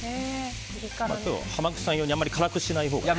今日は濱口さん用にあまり辛くしないように。